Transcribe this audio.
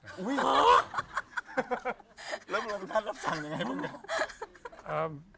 แล้วเพราะมันมีท่านรับสั่งยังไงบ้างเนี่ย